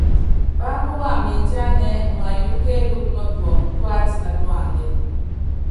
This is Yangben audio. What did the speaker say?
Mbábá wamɛ mindiána ɛ́ɛ́ umayuúkɔ́ kélúku nɔtuɔŋɔ tuátanatúádɛ.